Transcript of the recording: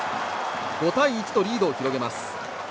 ５対１とリードを広げます。